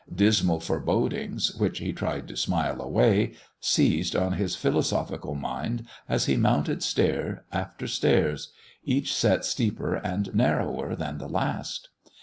Dismal forebodings, which he tried to smile away, seized on his philosophical mind as he mounted stairs after stairs, each set steeper and narrower than the last.